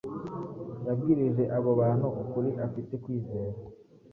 yabwirije abo bantu ukuri afite kwizera